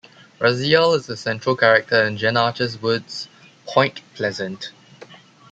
Raziel is a central character in Jen Archer Wood's Point Pleasant.